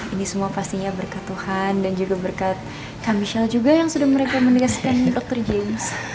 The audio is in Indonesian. ini semua pastinya berkat tuhan dan juga berkat kak michelle juga yang sudah mereka mendekatkan dr james